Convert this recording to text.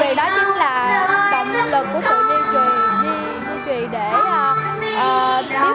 vì đó chính là động lực của sự duy trì